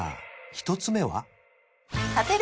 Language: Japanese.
１つ目は？